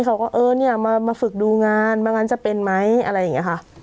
เขาก็เออเนี่ยมาฝึกดูงานว่างั้นจะเป็นไหมอะไรอย่างนี้ค่ะ